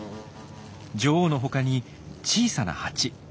女王のほかに小さなハチ。